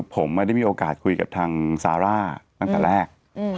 ผมไม่ได้มีโอกาสคุยกับทางซาร่าตั้งแต่แรก